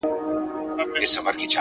د خپل ژوند په يوه خړه آئينه کي؛